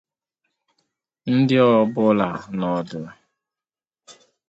ndị ọ bụla nọdụ